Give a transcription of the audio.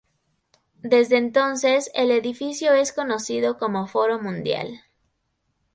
Desde entonces el edificio es conocido como Foro Mundial.